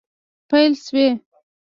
پیل شوي